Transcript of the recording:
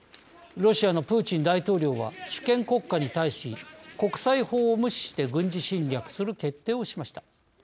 ロシアのプーチン大統領は主権国家に対し国際法を無視して軍事侵略する決定をしました。